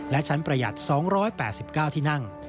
และชั้นประหยัด๒๘๙ที่นั่ง